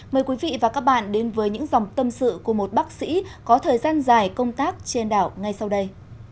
mời quý vị và các bạn đến với những dòng tâm sự của một bác sĩ có thời gian dài công tác trên đảo ngay sau đây